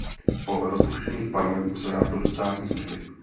Po rozpuštění parlamentu se vrátil do státní služby.